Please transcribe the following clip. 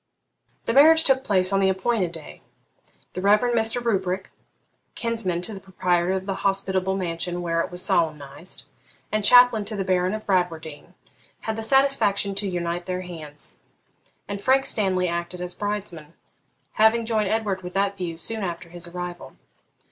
The marriage took place on the appointed day. The Reverend Mr. Rubrick, kinsman to the proprietor of the hospitable mansion where it was solemnised, and chaplain to the Baron of Bradwardine, had the satisfaction to unite their hands; and Frank Stanley acted as bridesman, having joined Edward with that view soon after his arrival.